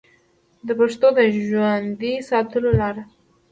د پښتو د ژوندي ساتلو لارې